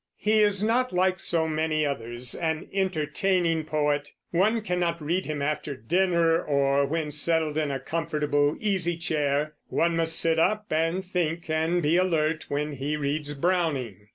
He is not, like so many others, an entertaining poet. One cannot read him after dinner, or when settled in a comfortable easy chair. One must sit up, and think, and be alert when he reads Browning.